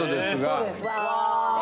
そうです。わ！